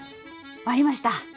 終わりました！